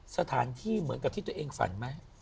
สถานที่เหมือนกับที่ตัวเองฝันไหม